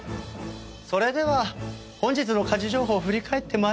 それでは本日の家事情報を振り返って参りましょう。